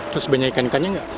terus banyak ikan ikannya nggak